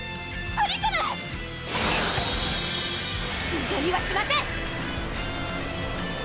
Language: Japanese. むだにはしません！